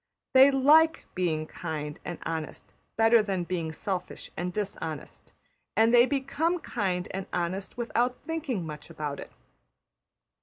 They \emph{like} being kind and honest better than being selfish and dishonest, and they become kind and honest without thinking much about it.